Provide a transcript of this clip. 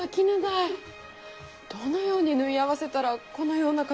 どのように縫い合わせたらこのような形になるのやら。